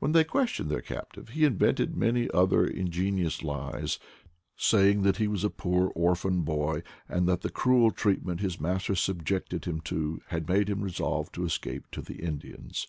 When they questioned their cap tive he invented many other ingenious lies, say ing that he was a poor orphan boy, and that the cruel treatment his master subjected him to had made him resolve to escape to the Indians.